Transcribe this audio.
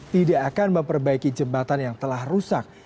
tidak akan memperbaiki jembatan yang telah rusak